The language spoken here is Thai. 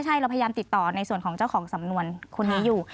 ใช่เราพยายามติดต่อในส่วนของเจ้าของสำนวนคนนี้อยู่